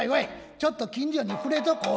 ちょっと近所に触れとこう」。